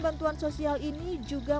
bantuan sosial ini juga